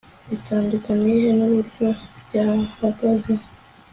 Bitandukaniye he nuburyo byahagaze